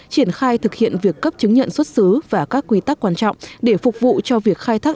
triển khai thực hiện việc cấp chứng nhận xuất xứ và các quy tắc quan trọng để phục vụ cho việc khai thác